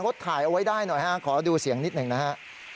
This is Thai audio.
เขาถ่ายเอาไว้ได้หน่อยฮะขอดูเสียงนิดหนึ่งนะฮะ